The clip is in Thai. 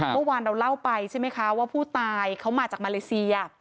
เมื่อวานเราเล่าไปใช่ไหมคะว่าผู้ตายเขามาจากมาเลเซีย